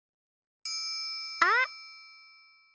あっ！